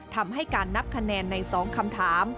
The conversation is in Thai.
ทำให้การนับคะแนนใน๒คำถาม